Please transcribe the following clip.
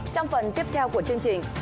trong phần tiếp theo của chương trình